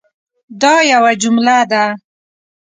دا یوه جمله ده